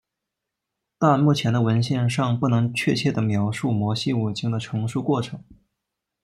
但目前的文献尚不能确切地描述摩西五经的成书过程。